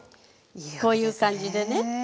こういう感じでね。